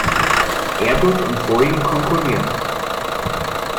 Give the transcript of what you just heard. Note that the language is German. Airbus und Boeing konkurrieren.